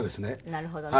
なるほどね。